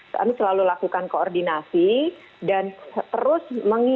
jadi kami selalu lakukan koordinasi dan terus mengikuti